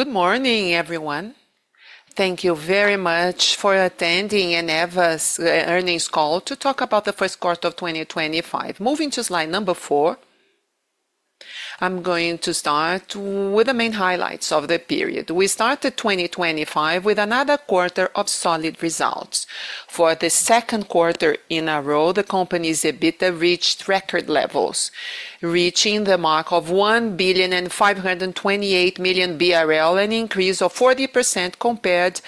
Good morning, everyone. Thank you very much for attending Eneva's earnings call to talk about the first quarter of 2025. Moving to slide number four, I'm going to start with the main highlights of the period. We started 2025 with another quarter of solid results. For the second quarter in a row, the company's EBITDA reached record levels, reaching the mark of 1.528 billion, an increase of 40% compared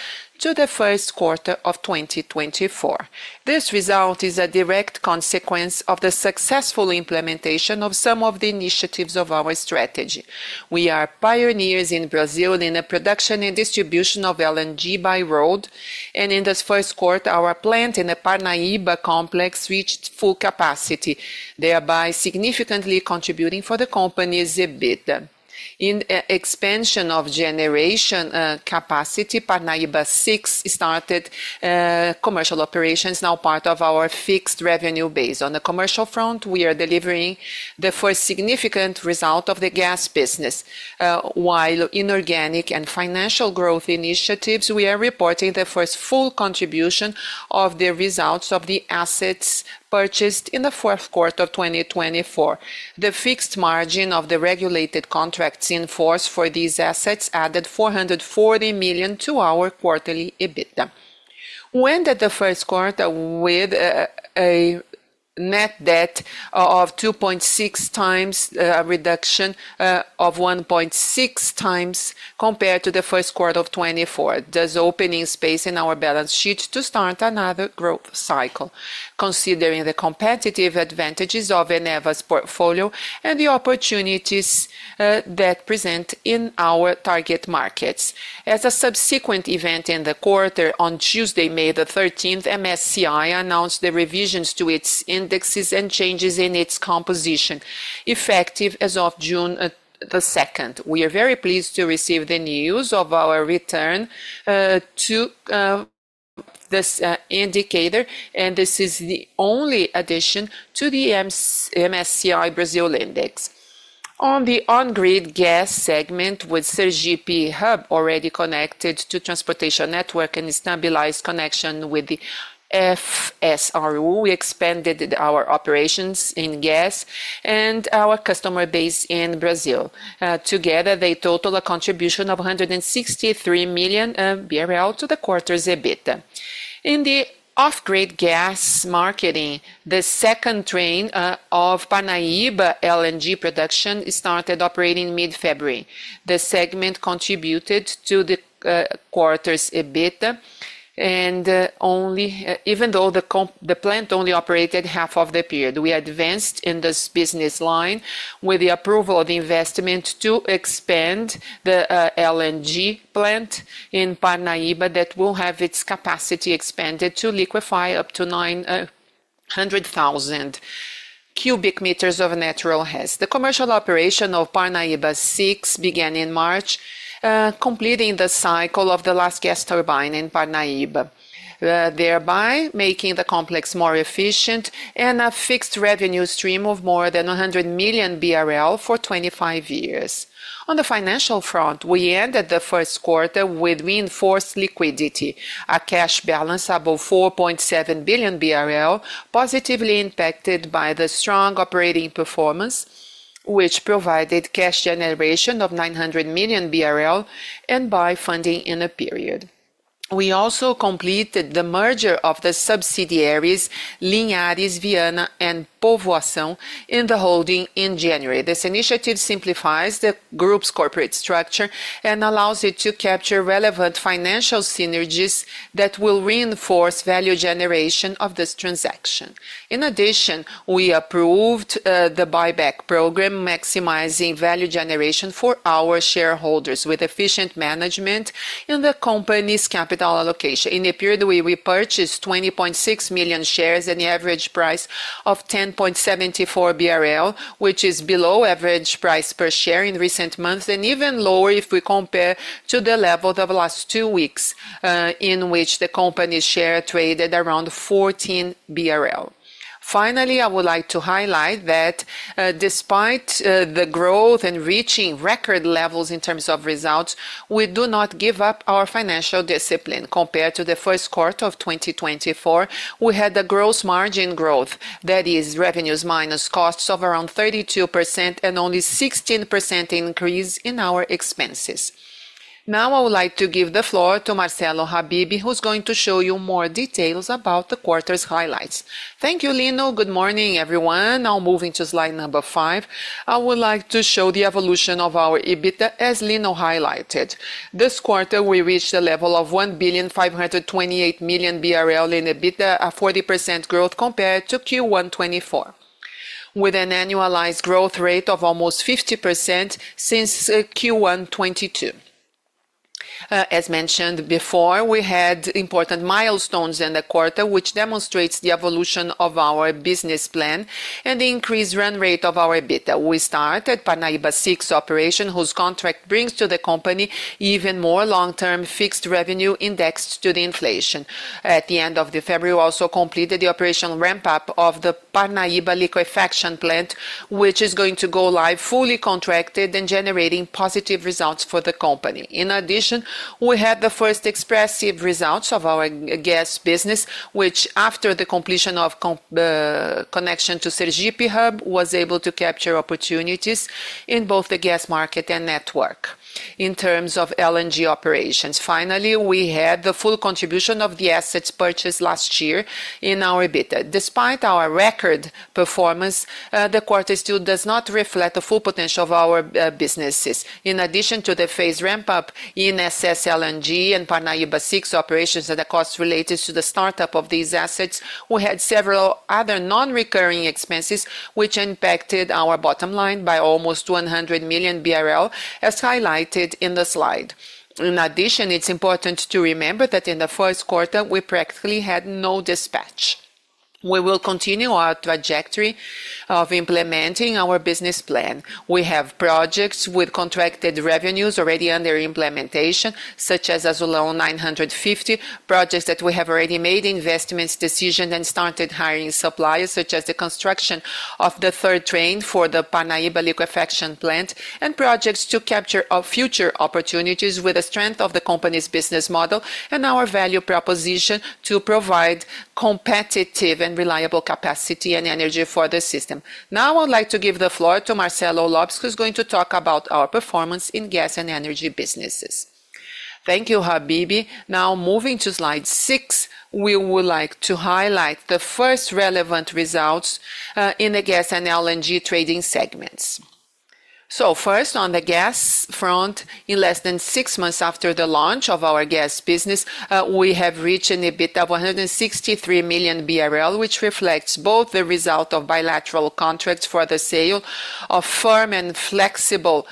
to the first quarter of 2024. This result is a direct consequence of the successful implementation of some of the initiatives of our strategy. We are pioneers in Brazil in the production and distribution of LNG by road, and in the first quarter, our plant in the Parnaíba Complex reached full capacity, thereby significantly contributing to the company's EBITDA. In the expansion of generation capacity, Parnaíba VI started commercial operations, now part of our fixed revenue base. On the commercial front, we are delivering the first significant result of the gas business. While in organic and financial growth initiatives, we are reporting the first full contribution of the results of the assets purchased in the fourth quarter of 2024. The fixed margin of the regulated contracts in force for these assets added 440 million to our quarterly EBITDA. We ended the first quarter with a net debt of 2.6x, a reduction of 1.6x compared to the first quarter of 2024. There is opening space in our balance sheet to start another growth cycle, considering the competitive advantages of Eneva's portfolio and the opportunities that present in our target markets. As a subsequent event in the quarter, on Tuesday, May the 13th, MSCI announced the revisions to its indexes and changes in its composition, effective as of June the 2nd. We are very pleased to receive the news of our return to this indicator, and this is the only addition to the MSCI Brazil Index. On the on-grid gas segment, with Sergipe Hub already connected to the transportation network and a stabilized connection with the FSRU, we expanded our operations in gas and our customer base in Brazil. Together, they total a contribution of 163 million BRL to the quarter's EBITDA. In the off-grid gas marketing, the second train of Parnaíba LNG production started operating mid-February. The segment contributed to the quarter's EBITDA, and even though the plant only operated half of the period, we advanced in this business line with the approval of investment to expand the LNG plant in Parnaíba that will have its capacity expanded to liquefy up to 900,000 cubic meters of natural gas. The commercial operation of Parnaíba VI began in March, completing the cycle of the last gas turbine in Parnaíba, thereby making the complex more efficient and a fixed revenue stream of more than 100 million BRL for 25 years. On the financial front, we ended the first quarter with reinforced liquidity, a cash balance above 4.7 billion BRL, positively impacted by the strong operating performance, which provided cash generation of 900 million BRL and buy funding in a period. We also completed the merger of the subsidiaries Linhares, Viana and Povoação in the holding in January. This initiative simplifies the group's corporate structure and allows it to capture relevant financial synergies that will reinforce value generation of this transaction. In addition, we approved the buyback program, maximizing value generation for our shareholders with efficient management in the company's capital allocation. In the period, we repurchased 20.6 million shares at the average price of 10.74 BRL, which is below the average price per share in recent months and even lower if we compare to the level of the last two weeks, in which the company's share traded around 14 BRL. Finally, I would like to highlight that despite the growth and reaching record levels in terms of results, we do not give up our financial discipline. Compared to the first quarter of 2024, we had a gross margin growth, that is, revenues minus costs, of around 32% and only a 16% increase in our expenses. Now, I would like to give the floor to Marcelo Habibe, who's going to show you more details about the quarter's highlights. Thank you, Lino. Good morning, everyone. Now, moving to slide number five, I would like to show the evolution of our EBITDA, as Lino highlighted. This quarter, we reached a level of 1.528 billion BRL in EBITDA, a 40% growth compared to Q1 2024, with an annualized growth rate of almost 50% since Q1 2022. As mentioned before, we had important milestones in the quarter, which demonstrates the evolution of our business plan and the increased run rate of our EBITDA. We started Parnaíba VI operation, whose contract brings to the company even more long-term fixed revenue indexed to the inflation. At the end of February, we also completed the operational ramp-up of the Parnaíba liquefaction plant, which is going to go live, fully contracted and generating positive results for the company. In addition, we had the first expressive results of our gas business, which, after the completion of connection to Sergipe Hub, was able to capture opportunities in both the gas market and network in terms of LNG operations. Finally, we had the full contribution of the assets purchased last year in our EBITDA. Despite our record performance, the quarter still does not reflect the full potential of our businesses. In addition to the phased ramp-up in SSLNG and Parnaíba VI operations and the costs related to the startup of these assets, we had several other non-recurring expenses, which impacted our bottom line by almost 100 million BRL, as highlighted in the slide. In addition, it's important to remember that in the first quarter, we practically had no dispatch. We will continue our trajectory of implementing our business plan. We have projects with contracted revenues already under implementation, such as Azulão 950, projects that we have already made investment decisions and started hiring suppliers, such as the construction of the third train for the Parnaíba liquefaction plant, and projects to capture future opportunities with the strength of the company's business model and our value proposition to provide competitive and reliable capacity and energy for the system. Now, I would like to give the floor to Marcelo Lopes, who's going to talk about our performance in gas and energy businesses. Thank you, Habibe. Now, moving to slide six, we would like to highlight the first relevant results in the gas and LNG trading segments. First, on the gas front, in less than six months after the launch of our gas business, we have reached an EBITDA of 163 million BRL, which reflects both the result of bilateral contracts for the sale of firm and flexible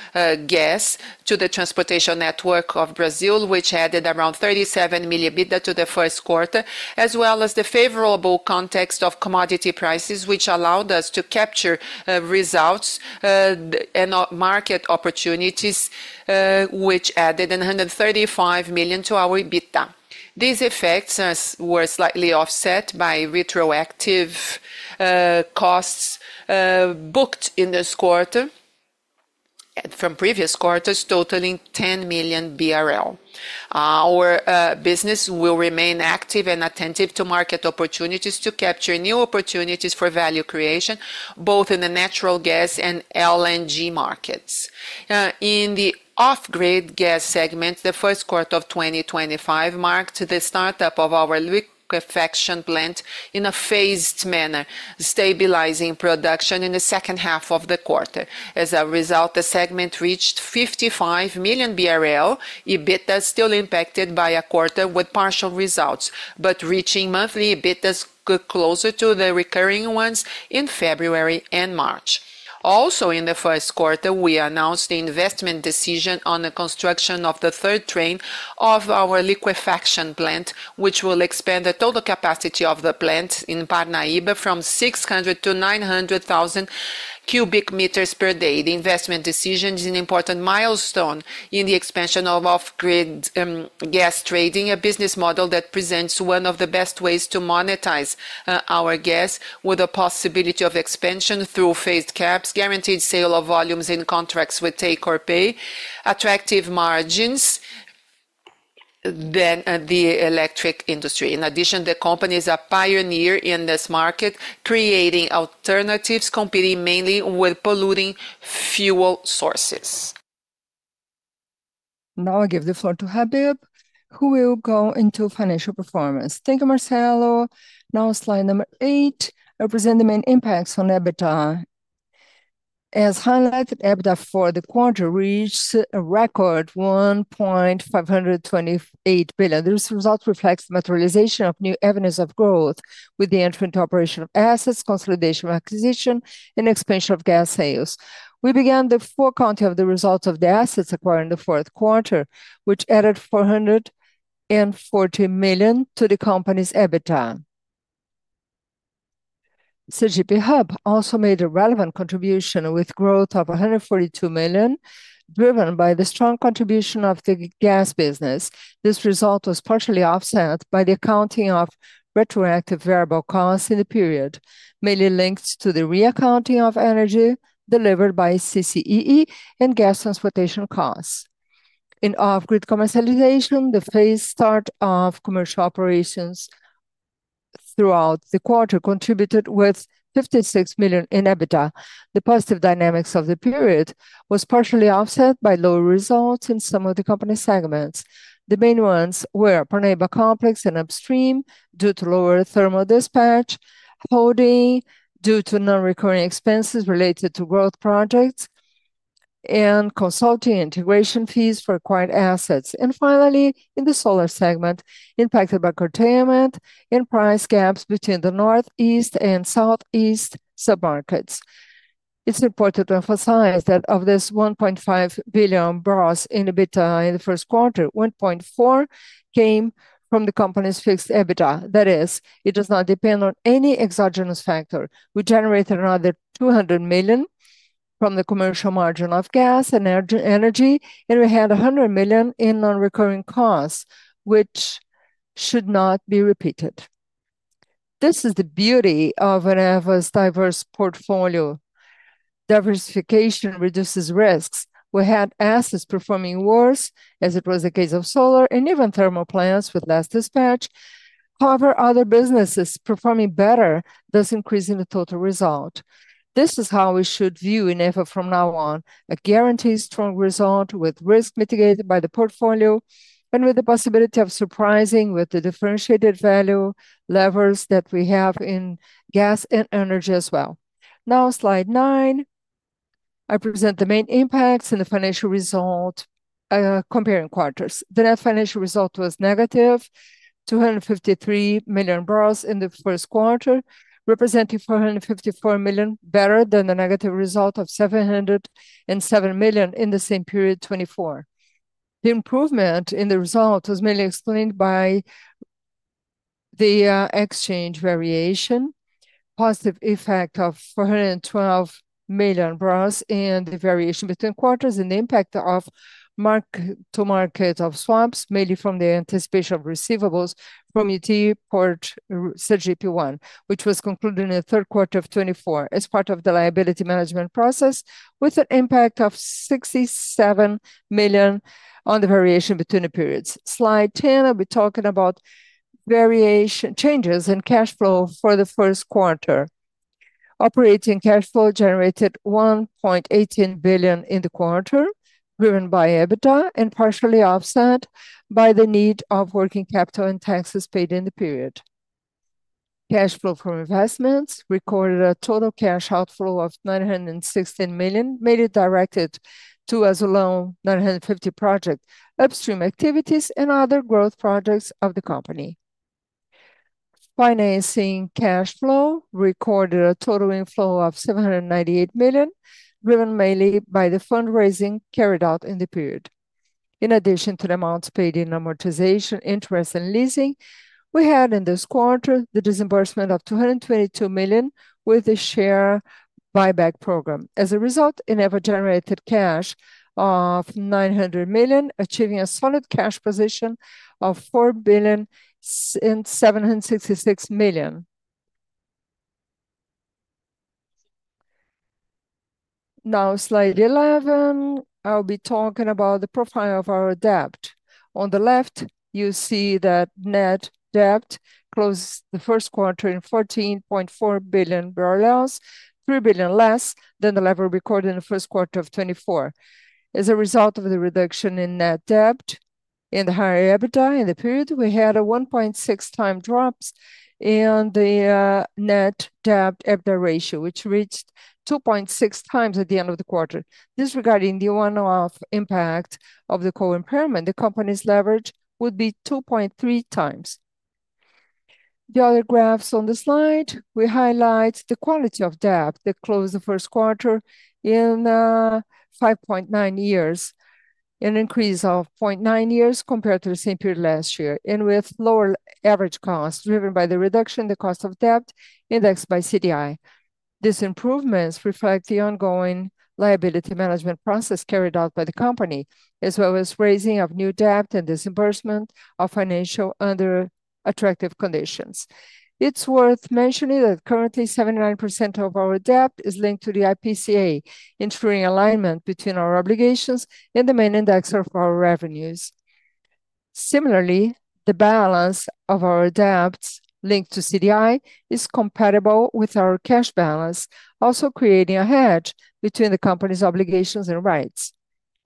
gas to the transportation network of Brazil, which added around 37 million EBITDA to the first quarter, as well as the favorable context of commodity prices, which allowed us to capture results and market opportunities, which added 135 million to our EBITDA. These effects were slightly offset by retroactive costs booked in this quarter from previous quarters, totaling 10 million BRL. Our business will remain active and attentive to market opportunities to capture new opportunities for value creation, both in the natural gas and LNG markets. In the off-grid gas segment, the first quarter of 2025 marked the startup of our liquefaction plant in a phased manner, stabilizing production in the second half of the quarter. As a result, the segment reached 55 million BRL EBITDA, still impacted by a quarter with partial results, but reaching monthly EBITDAs closer to the recurring ones in February and March. Also, in the first quarter, we announced the investment decision on the construction of the third train of our liquefaction plant, which will expand the total capacity of the plant in Parnaíba from 600,000 cubic meters to 900,000 cubic meters per day. The investment decision is an important milestone in the expansion of off-grid gas trading, a business model that presents one of the best ways to monetize our gas, with the possibility of expansion through phased caps, guaranteed sale of volumes in contracts with take-or-pay, attractive margins than the electric industry. In addition, the company is a pioneer in this market, creating alternatives competing mainly with polluting fuel sources. Now, I'll give the floor to Habibe, who will go into financial performance. Thank you, Marcelo. Now, slide number eight, I'll present the main impacts on EBITDA. As highlighted, EBITDA for the quarter reached a record 1.528 billion. This result reflects the materialization of new avenues of growth with the entry into operational assets, consolidation of acquisition, and expansion of gas sales. We began the fourth quarter with the results of the assets acquired in the fourth quarter, which added 440 million to the company's EBITDA. Sergipe Hub also made a relevant contribution with growth of 142 million, driven by the strong contribution of the gas business. This result was partially offset by the accounting of retroactive variable costs in the period, mainly linked to the re-accounting of energy delivered by CCEE and gas transportation costs. In off-grid commercialization, the phased start of commercial operations throughout the quarter contributed with 56 million in EBITDA. The positive dynamics of the period were partially offset by low results in some of the company segments. The main ones were Parnaíba Complex and Upstream due to lower thermal dispatch, holding due to non-recurring expenses related to growth projects, and consulting integration fees for acquired assets. Finally, in the Solar segment, impacted by curtailment in price gaps between the Northeast and Southeast submarkets. It's important to emphasize that of this 1.5 billion gross in EBITDA in the first quarter, 1.4 billion came from the company's fixed EBITDA. That is, it does not depend on any exogenous factor. We generated another 200 million from the commercial margin of gas and energy, and we had 100 million in non-recurring costs, which should not be repeated. This is the beauty of Eneva's diverse portfolio. Diversification reduces risks. We had assets performing worse, as it was the case of solar and even thermal plants with less dispatch, however, other businesses performing better, thus increasing the total result. This is how we should view Eneva from now on: a guaranteed strong result with risk mitigated by the portfolio and with the possibility of surprising with the differentiated value levers that we have in gas and energy as well. Now, slide nine, I present the main impacts in the financial result comparing quarters. The net financial result was negative, 253 million gross in the first quarter, representing 454 million, better than the negative result of 707 million in the same period 2024. The improvement in the result was mainly explained by the exchange variation, positive effect of 412 million gross in the variation between quarters, and the impact of mark-to-market of swaps, mainly from the anticipation of receivables from UT Port Sergipe One, which was concluded in the third quarter of 2024 as part of the liability management process, with an impact of 67 million on the variation between the periods. Slide 10, I'll be talking about variation changes in cash flow for the first quarter. Operating cash flow generated 1.18 billion in the quarter, driven by EBITDA and partially offset by the need of working capital and taxes paid in the period. Cash flow from investments recorded a total cash outflow of 916 million, mainly directed to Azulão 950 project, upstream activities, and other growth projects of the company. Financing cash flow recorded a total inflow of 798 million, driven mainly by the fundraising carried out in the period. In addition to the amounts paid in amortization, interest, and leasing, we had in this quarter the disbursement of 222 million with the share buyback program. As a result, Eneva generated cash of 900 million, achieving a solid cash position of 4.766 billion. Now, slide 11, I'll be talking about the profile of our debt. On the left, you see that net debt closed the first quarter in 14.4 billion, 3 billion less than the level recorded in the first quarter of 2024. As a result of the reduction in net debt and the higher EBITDA in the period, we had a 1.6x drop in the net debt-EBITDA ratio, which reached 2.6x at the end of the quarter. Disregarding the one-off impact of the co-impairment, the company's leverage would be 2.3x. The other graphs on the slide, we highlight the quality of debt that closed the first quarter in 5.9 years, an increase of 0.9 years compared to the same period last year, and with lower average costs driven by the reduction in the cost of debt indexed by CDI. These improvements reflect the ongoing liability management process carried out by the company, as well as raising of new debt and disbursement of financial under attractive conditions. It's worth mentioning that currently, 79% of our debt is linked to the IPCA, ensuring alignment between our obligations and the main index of our revenues. Similarly, the balance of our debts linked to CDI is compatible with our cash balance, also creating a hedge between the company's obligations and rights.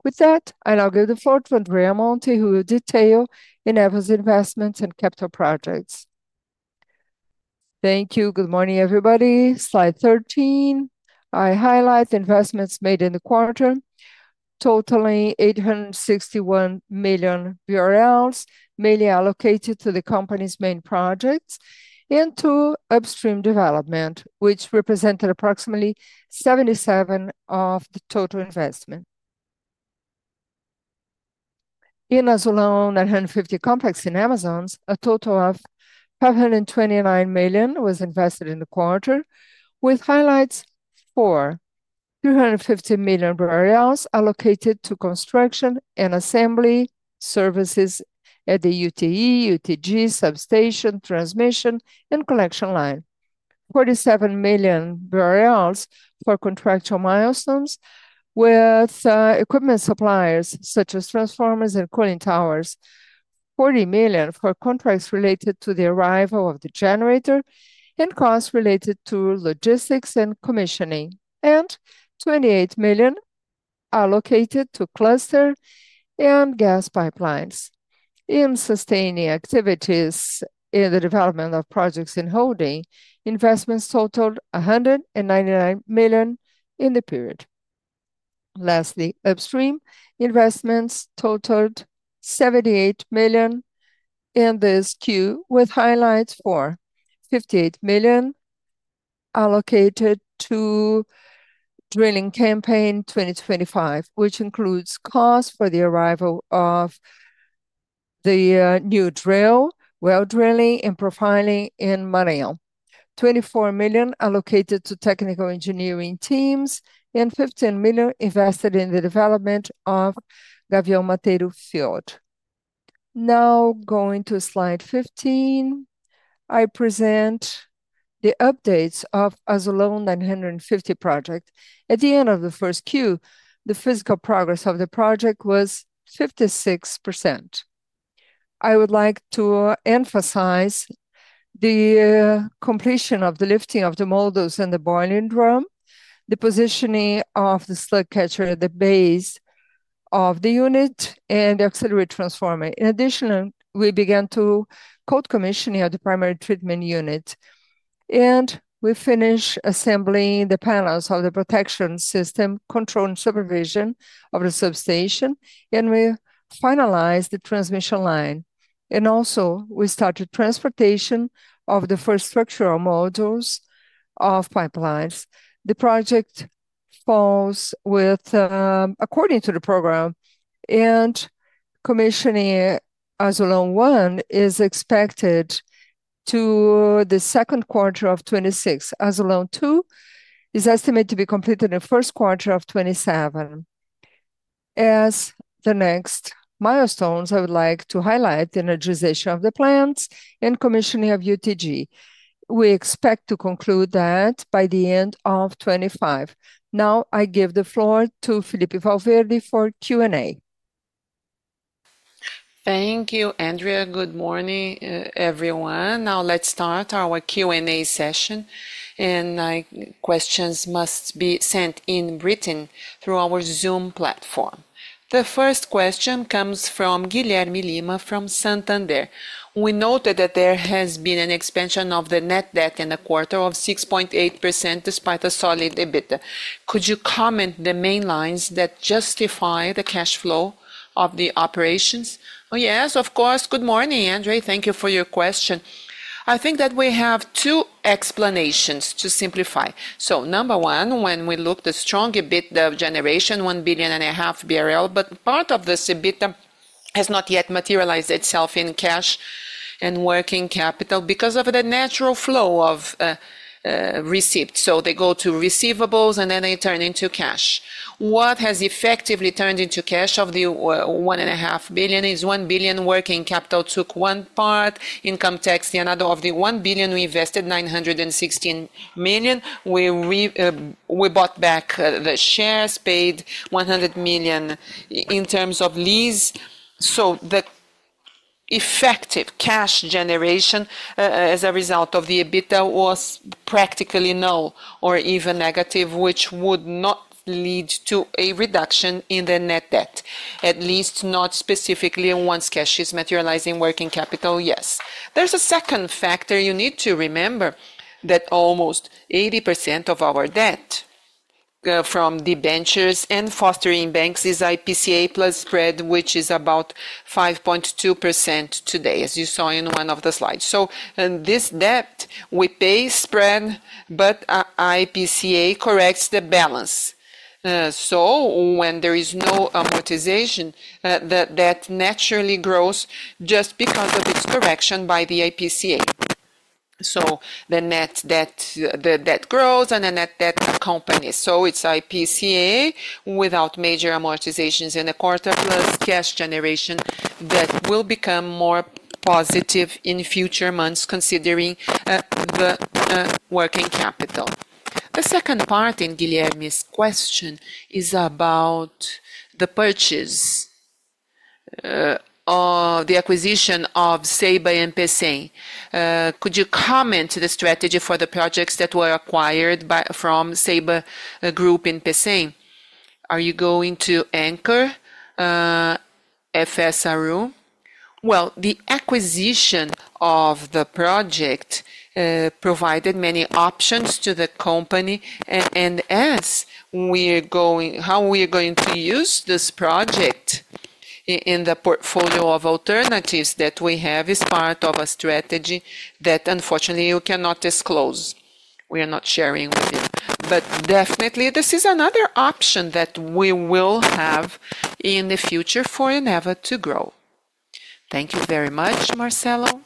With that, I now give the floor to Andrea Monte, who will detail Eneva's investments and capital projects. Thank you. Good morning, everybody. Slide 13. I highlight the investments made in the quarter, totaling 861 million BRL, mainly allocated to the company's main projects and to upstream development, which represented approximately 77 of the total investment. In Azulão 950 complex in Amazonas, a total of 529 million was invested in the quarter, with highlights for 350 million BRL allocated to construction and assembly services at the UTE, UTG, substation, transmission, and collection line, 47 million BRL for contractual milestones with equipment suppliers such as transformers and cooling towers, 40 million for contracts related to the arrival of the generator and costs related to logistics and commissioning, and 28 million allocated to cluster and gas pipelines. In sustaining activities and the development of projects and holding, investments totaled 199 million in the period. Lastly, upstream investments totaled 78 million in this queue, with highlights for 58 million allocated to drilling campaign 2025, which includes costs for the arrival of the new drill, well drilling, and profiling in Maranhão, 24 million allocated to technical engineering teams, and 15 million invested in the development of Gavião Mateiro field. Now, going to slide 15, I present the updates of Azulão 950 project. At the end of the first queue, the physical progress of the project was 56%. I would like to emphasize the completion of the lifting of the molders and the boiling drum, the positioning of the slug catcher at the base of the unit, and the auxiliary transformer. In addition, we began to coat commissioning of the primary treatment unit, and we finished assembling the panels of the protection system, control and supervision of the substation, and we finalized the transmission line. We also started transportation of the first structural molders of pipelines. The project falls with, according to the program, and commissioning Azulão I is expected to the second quarter of 2026. Azulão II is estimated to be completed in the first quarter of 2027. As the next milestones, I would like to highlight the energization of the plants and commissioning of UTG. We expect to conclude that by the end of 2025. Now, I give the floor to Felippe Valverde for Q&A. Thank you, Andrea. Good morning, everyone. Now, let's start our Q&A session, and questions must be sent in written through our Zoom platform. The first question comes from Guilherme Lima from Santander. We noted that there has been an expansion of the net debt in the quarter of 6.8% despite a solid EBITDA. Could you comment on the main lines that justify the cash flow of the operations? Yes, of course. Good morning, Andre. Thank you for your question. I think that we have two explanations to simplify. Number one, when we look at the strong EBITDA generation, 1.5 billion, but part of this EBITDA has not yet materialized itself in cash and working capital because of the natural flow of receipts. They go to receivables, and then they turn into cash. What has effectively turned into cash of the 1.5 billion is 1 billion. Working capital took one part, income tax the another. Of the 1 billion we invested, 916 million. We bought back the shares, paid 100 million in terms of lease. The effective cash generation as a result of the EBITDA was practically null or even negative, which would not lead to a reduction in the net debt, at least not specifically once cash is materialized in working capital, yes. There is a second factor you need to remember that almost 80% of our debt from the ventures and fostering banks is IPCA+ spread, which is about 5.2% today, as you saw in one of the slides. This debt, we pay spread, but IPCA corrects the balance. When there is no amortization, that debt naturally grows just because of its correction by the IPCA. The net debt, the debt grows and the net debt accompanies. It's IPCA without major amortizations in the quarter plus cash generation that will become more positive in future months considering the working capital. The second part in Guilherme's question is about the purchase, the acquisition of SEBÁ in Pecém. Could you comment on the strategy for the projects that were acquired from SEBÁ Group in Pecém? Are you going to anchor FSRU? The acquisition of the project provided many options to the company, and as we're going, how we are going to use this project in the portfolio of alternatives that we have is part of a strategy that unfortunately you cannot disclose. We are not sharing with you. Definitely, this is another option that we will have in the future for Eneva to grow. Thank you very much, Marcelo.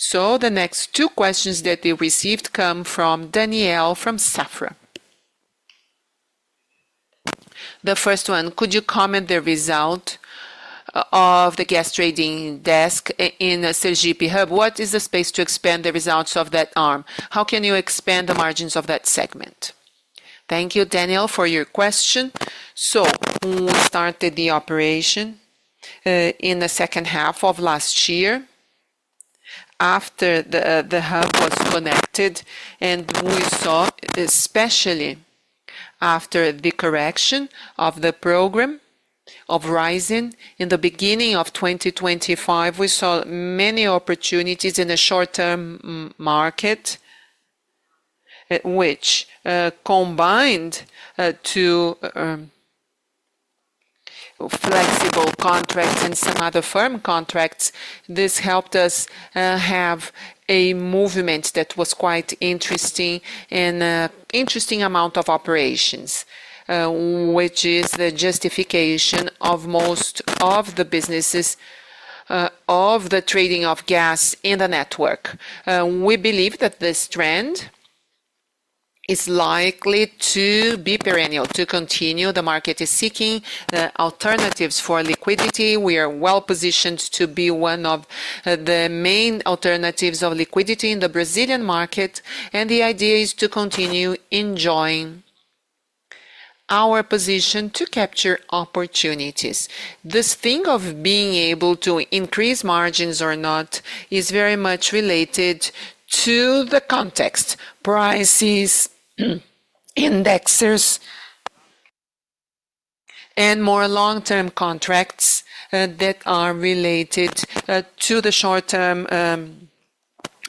The next two questions that we received come from Daniel from Safra. The first one, could you comment on the result of the gas trading desk in Sergipe Hub? What is the space to expand the results of that arm? How can you expand the margins of that segment? Thank you, Daniel, for your question. We started the operation in the second half of last year after the hub was connected, and we saw, especially after the correction of the program of rising in the beginning of 2025, we saw many opportunities in the short-term market, which combined to flexible contracts and some other firm contracts. This helped us have a movement that was quite interesting and an interesting amount of operations, which is the justification of most of the businesses of the trading of gas in the network. We believe that this trend is likely to be perennial, to continue. The market is seeking alternatives for liquidity. We are well positioned to be one of the main alternatives of liquidity in the Brazilian market, and the idea is to continue enjoying our position to capture opportunities. This thing of being able to increase margins or not is very much related to the context, prices, indexes, and more long-term contracts that are related to the short-term,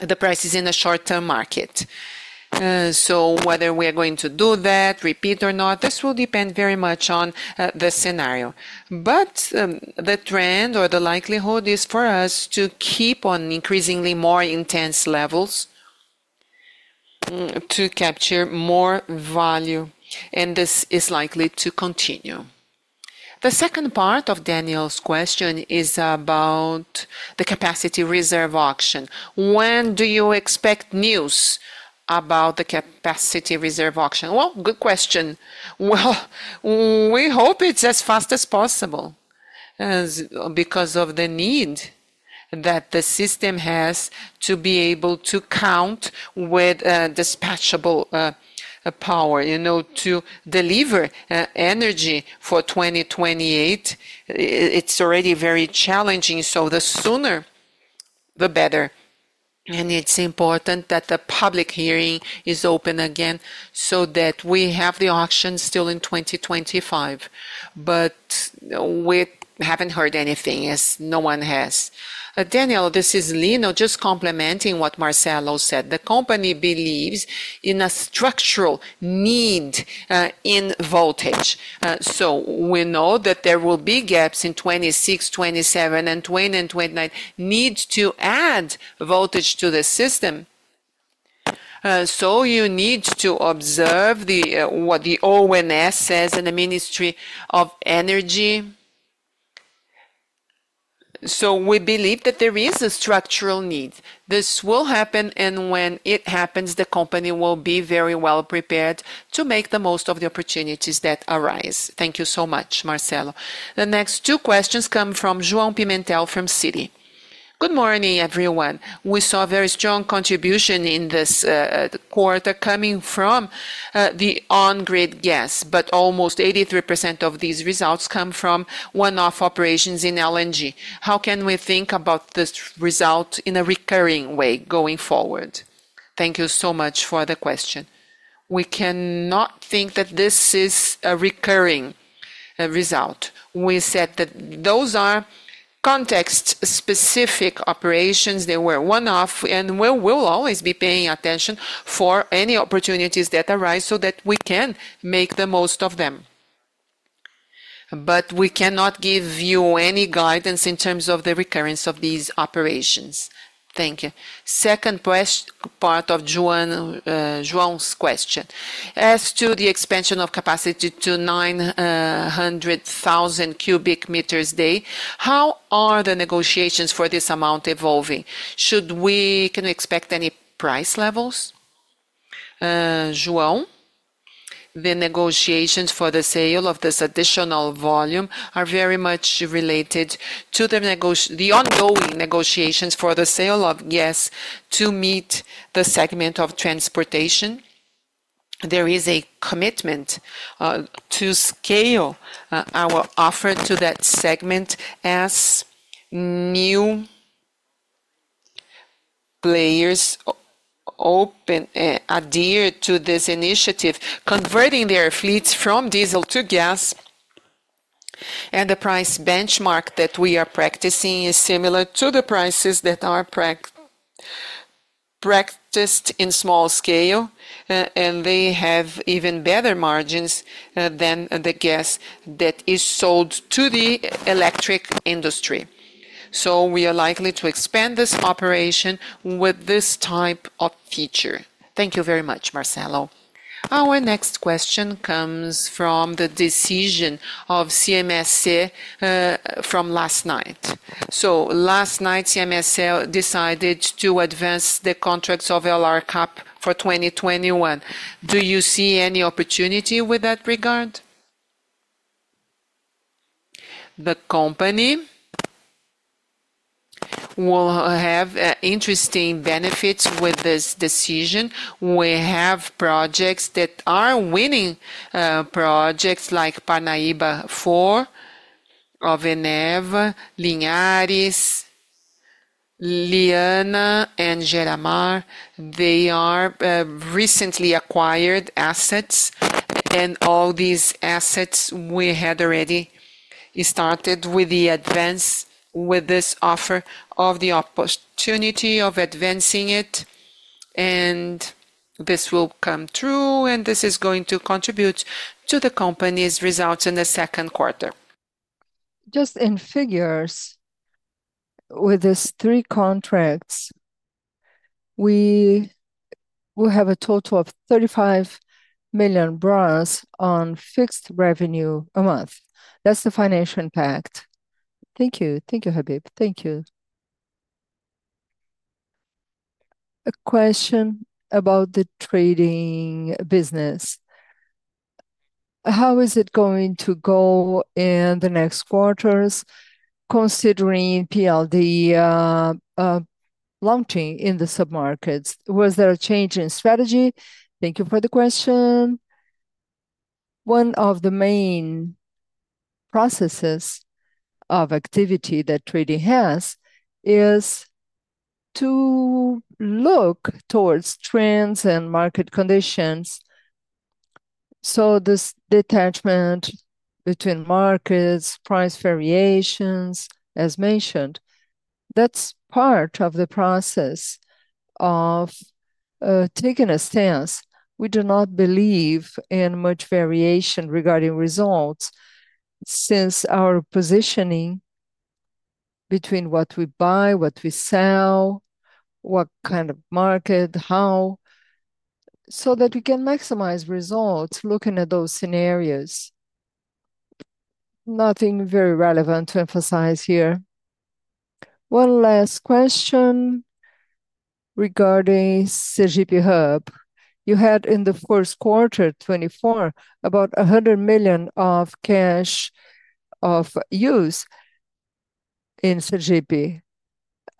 the prices in the short-term market. Whether we are going to do that, repeat or not, this will depend very much on the scenario. The trend or the likelihood is for us to keep on increasingly more intense levels to capture more value, and this is likely to continue. The second part of Daniel's question is about the capacity reserve auction. When do you expect news about the capacity reserve auction? Good question. We hope it's as fast as possible because of the need that the system has to be able to count with dispatchable power, you know, to deliver energy for 2028. It's already very challenging, so the sooner, the better. It's important that the public hearing is open again so that we have the auction still in 2025. We haven't heard anything as no one has. Daniel, this is Lino just complementing what Marcelo said. The company believes in a structural need in voltage. We know that there will be gaps in 2026, 2027, and 2028 and 2029, need to add voltage to the system. You need to observe what the ONS says in the Ministry of Energy. We believe that there is a structural need. This will happen, and when it happens, the company will be very well prepared to make the most of the opportunities that arise. Thank you so much, Marcelo. The next two questions come from João Pimentel from Citi. Good morning, everyone. We saw a very strong contribution in this quarter coming from the on-grid gas, but almost 83% of these results come from one-off operations in LNG. How can we think about this result in a recurring way going forward? Thank you so much for the question. We cannot think that this is a recurring result. We said that those are context-specific operations. They were one-off, and we will always be paying attention for any opportunities that arise so that we can make the most of them. We cannot give you any guidance in terms of the recurrence of these operations. Thank you. Second part of João's question. As to the expansion of capacity to 900,000 cubic meters a day, how are the negotiations for this amount evolving? Should we expect any price levels? João, the negotiations for the sale of this additional volume are very much related to the ongoing negotiations for the sale of gas to meet the segment of transportation. There is a commitment to scale our offer to that segment as new players adhere to this initiative, converting their fleets from diesel to gas. The price benchmark that we are practicing is similar to the prices that are practiced in small scale, and they have even better margins than the gas that is sold to the electric industry. We are likely to expand this operation with this type of feature. Thank you very much, Marcelo. Our next question comes from the decision of CMSC from last night. Last night, CMSC decided to advance the contracts of LR CAP for 2021. Do you see any opportunity with that regard? The company will have interesting benefits with this decision. We have projects that are winning projects like Parnaíba IV of Eneva, Linhares, Viana, and Geramar. They are recently acquired assets, and all these assets we had already started with the advance with this offer of the opportunity of advancing it, and this will come true, and this is going to contribute to the company's results in the second quarter. Just in figures, with these three contracts, we will have a total of 35 million on fixed revenue a month. That's the financial impact. Thank you. Thank you, Habibe. Thank you. A question about the trading business. How is it going to go in the next quarters considering PLD launching in the submarkets? Was there a change in strategy? Thank you for the question. One of the main processes of activity that trading has is to look towards trends and market conditions. This detachment between markets, price variations, as mentioned, that's part of the process of taking a stance. We do not believe in much variation regarding results since our positioning between what we buy, what we sell, what kind of market, how, so that we can maximize results looking at those scenarios. Nothing very relevant to emphasize here. One last question regarding Sergipe Hub. You had in the first quarter, 2024, about 100 million of cash of use in Sergipe.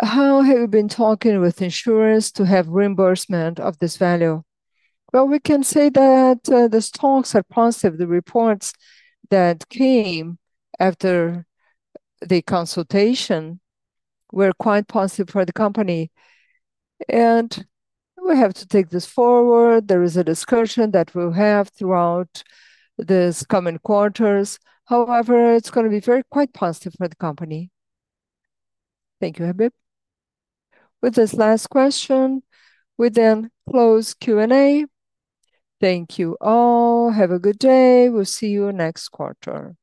How have you been talking with insurers to have reimbursement of this value? We can say that the stocks are positive. The reports that came after the consultation were quite positive for the company. We have to take this forward. There is a discussion that we'll have throughout these coming quarters. However, it's going to be very quite positive for the company. Thank you, Habibe. With this last question, we then close Q&A. Thank you all. Have a good day. We'll see you next quarter.